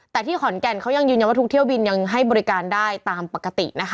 แต่ที่ขอนแก่นเขายังยืนยันว่าทุกเที่ยวบินยังให้บริการได้ตามปกตินะคะ